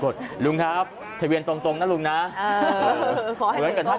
โดยไม่ผ่องหลุมจรเสะกัน